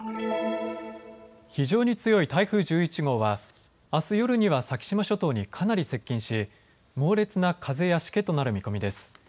非常に強い台風１１号はあす夜には先島諸島にかなり接近し猛烈な風やしけとなる見込みです。